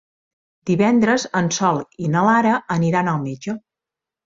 Divendres en Sol i na Lara aniran al metge.